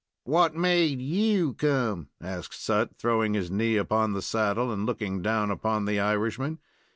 "What made you come?" asked Sut, throwing his knee upon the saddle and looking down upon the Irishman.